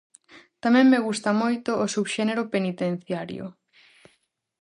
Tamén me gusta moito o subxénero penitenciario.